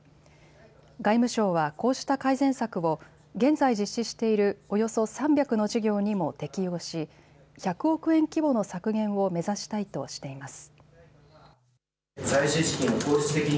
外務省はこうした改善策を現在実施しているおよそ３００の事業にも適用し、１００億円規模の削減を目指したいとしています。